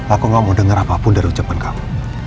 aku gak mau dengar apapun dari ucapan kamu